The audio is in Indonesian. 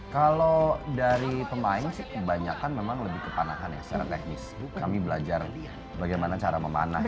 kalau dari pemain sih kebanyakan memang lebih kepanakan ya secara teknis kami belajar bagaimana cara memanah